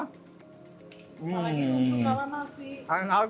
malah ini untuk kala nasi